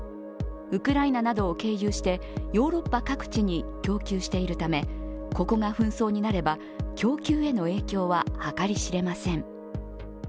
ウクライナなどを経由してヨーロッパ各地に供給しているためここが紛争になれば供給への影響は計り知れません。